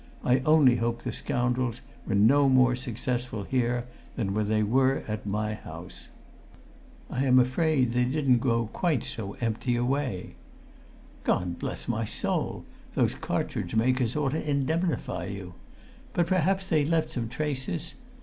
I only hope the scoundrels were no more successful here than they were at my house?" "I'm afraid they didn't go quite so empty away." "God bless my soul! Those cartridge makers ought to indemnify you. But perhaps they left some traces?